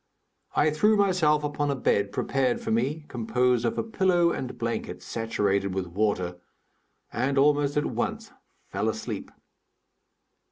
I threw myself upon a bed prepared for me, composed of a pillow and blanket saturated with water, and almost at once fell asleep.